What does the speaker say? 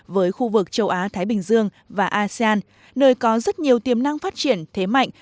với khu vực châu á thái bình dương và asean nơi có rất nhiều tiềm năng phát triển thế mạnh